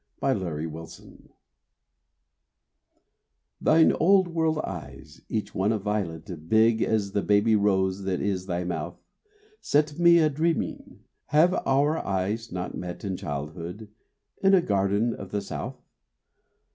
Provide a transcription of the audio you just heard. ON A MINIATURE Thine old world eyes each one a violet Big as the baby rose that is thy mouth Set me a dreaming. Have our eyes not met In childhood in a garden of the South?